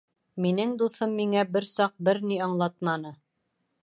Минең дуҫым миңә бер саҡ бер ни аңлатманы.